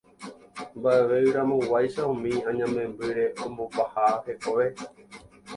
mba'eve'ỹramoguáicha umi añamembyre ombopaha hekove